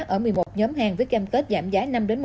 ở một mươi một nhóm hàng với kem kết giảm giá